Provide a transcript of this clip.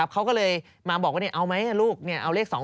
เขาก็เลยมาบอกว่าเอาไหมลูกเอาเลข๒๒